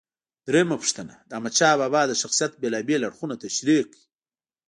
درېمه پوښتنه: د احمدشاه بابا د شخصیت بېلابېل اړخونه تشریح کړئ.